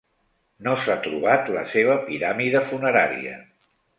No s'ha trobat la seva piràmide funerària.